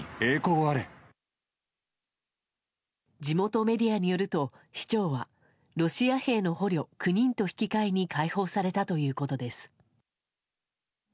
地元メディアによると市長はロシア兵の捕虜９人と引き替えに解放されたということです。